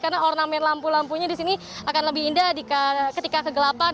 karena ornamen lampu lampunya di sini akan lebih indah ketika kegelapan